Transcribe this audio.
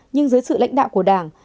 nhưng dưới sự lãnh đạo của đảng